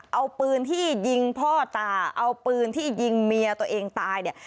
เอาปืนที่ยิงพ่อตาเอาปืนที่ยิงเมียตัวเองตายเนี่ย